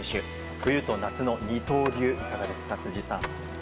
冬と夏の二刀流、いかがですか辻さん。